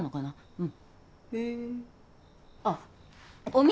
うん。